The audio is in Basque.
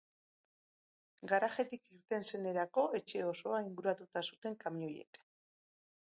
Garajetik irten zenerako, etxe osoa inguratua zuten kamioiek.